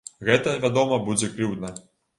Гэта, вядома, будзе крыўдна.